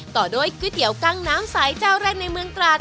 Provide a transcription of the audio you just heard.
ต่อด้วยก๋วยเตี๋ยวกั้งน้ำใสเจ้าแรกในเมืองตราด